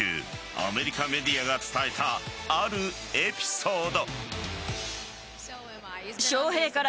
アメリカメディアが伝えたあるエピソード。